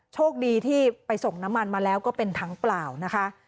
โชคดีที่ไปส่งน้ำมันมาแล้วก็เป็นถังเปล่านะคะ